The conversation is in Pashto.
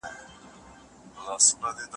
د سولې کوترې والوځوو.